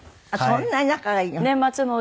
そんなに仲がいいの。